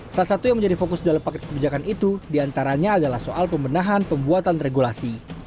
salah satu yang menjadi fokus dalam paket kebijakan itu diantaranya adalah soal pembenahan pembuatan regulasi